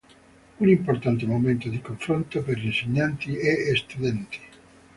Un importante momento di confronto per insegnanti e studenti.